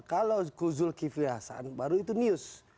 kalau kuzul kivli hasan baru itu news